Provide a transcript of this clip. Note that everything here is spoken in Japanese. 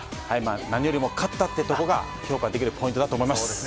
何よりも勝ったというところが評価できるポイントだと思います。